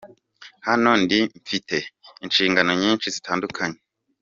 Hano ndi mfite ishingano nyishi zitandukanye.